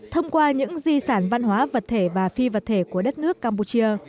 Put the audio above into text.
thông qua những di sản văn hóa vật thể và phi vật thể của đất nước campuchia